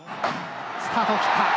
スタートを切った！